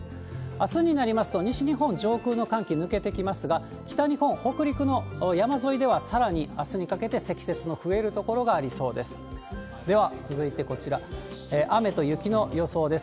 あすになりますと、西日本、上空の寒気抜けてきますが、北日本、北陸の山沿いでは、さらにあすにかけて積雪の増える所がありそうです。